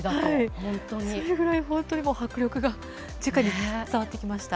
それくらい本当に迫力が直に伝わってきました。